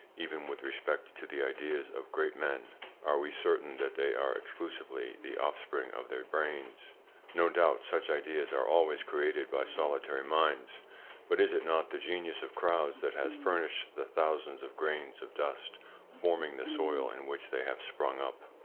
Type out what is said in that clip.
Even with respect to the ideas of great men are we certain that they are exclusively the offspring of their brains? No doubt such ideas are always created by solitary minds, but is it not the genius of crowds that has furnished the thousands of grains of dust forming the soil in which they have sprung up?